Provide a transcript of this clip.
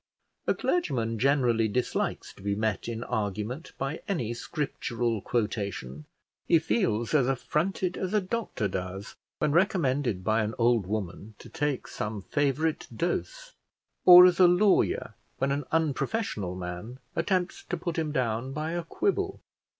A clergyman generally dislikes to be met in argument by any scriptural quotation; he feels as affronted as a doctor does, when recommended by an old woman to take some favourite dose, or as a lawyer when an unprofessional man attempts to put him down by a quibble.